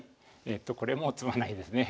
これもう詰まないですね。